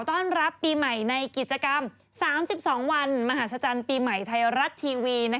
ต้อนรับปีใหม่ในกิจกรรม๓๒วันมหาศจรรย์ปีใหม่ไทยรัฐทีวี